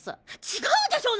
違うでしょ